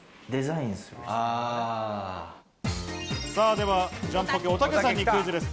では、ジャンポケ・おたけさんにクイズです。